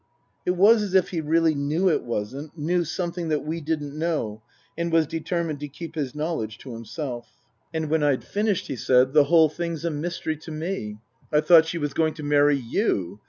It was as if he really knew it wasn't, knew something that we didn't know, and was determined to keep his knowledge to himself. 182 Tasker Jevons And when I'd finished he said, " The whole thing's a mystery to me. I thought she was going to marry you."